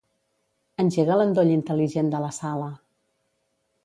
Engega l'endoll intel·ligent de la sala.